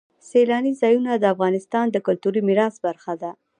سیلانی ځایونه د افغانستان د کلتوري میراث برخه ده.